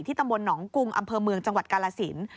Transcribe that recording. ตำบลหนองกุงอำเภอเมืองจังหวัดกาลสิน